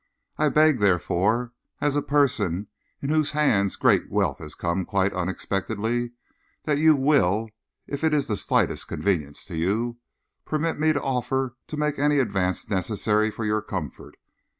I beg, therefore, as a person into whose hands great wealth has come quite unexpectedly, that you will, if it is the slightest convenience to you, permit me to offer to make any advance necessary for your comfort.